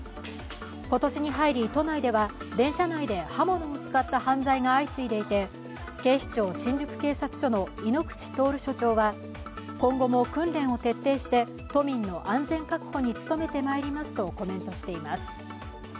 今年に入り都内では電車内で刃物を使った犯罪が相次いでいて、警視庁新宿警察署の井ノ口徹署長は今後も訓練を徹底して都民の安全確保に努めてまいりますとコメントしています。